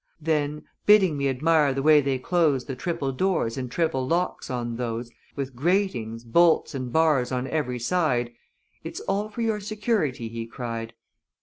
Then, bidding me admire the way they close The triple doors and triple locks on those, With gratings, bolts and bars on every side, "It's all for your security," he cried.